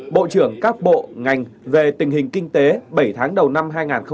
bộ trưởng các bộ ngành về tình hình kinh tế bảy tháng đầu năm hai nghìn hai mươi